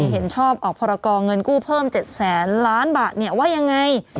เห็นชอบออกพรกรเงินกู้เพิ่ม๗แสนล้านบาทว่ายังไง